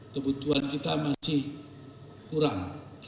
kebutuhan kita masih kurang